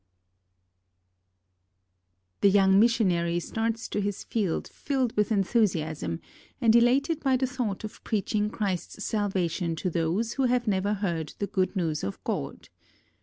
D. The young missionary starts to his field filled with enthusiasm, and elated by the thought of preaching Christ's salvation to those who have never heard the good news of God.